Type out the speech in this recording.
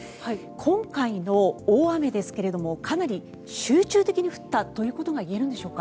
今回の大雨ですがかなり集中的に降ったということがいえるんでしょうか。